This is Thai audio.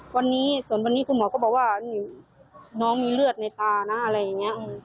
วันนี้ส่วนวันนี้คุณหมอก็บอกว่าน้องมีเลือดในตานะอะไรอย่างนี้